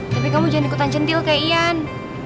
tapi kamu jangan ikutan jentil kayak ian